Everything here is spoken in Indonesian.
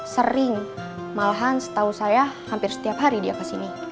sering malahan setahu saya hampir setiap hari dia kesini